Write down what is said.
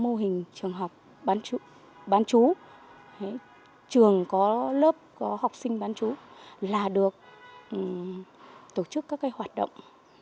mô hình trường học bán chú bán chú trường có lớp có học sinh bán chú là được tổ chức các hoạt động